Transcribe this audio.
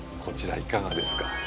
こちらいかがですか？